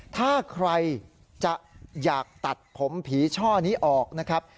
ถ้าใครจะอยากตัดผมผีช่อนี้ออกนะครับ